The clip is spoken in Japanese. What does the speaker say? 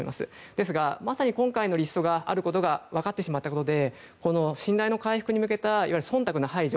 ですが今回のリストがあることが分かってしまったことで信頼の回復に向けた忖度の排除